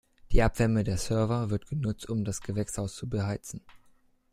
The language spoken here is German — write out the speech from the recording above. Die Abwärme der Server wird genutzt, um das Gewächshaus zu beheizen.